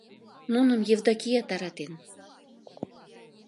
Нуным Евдокия таратен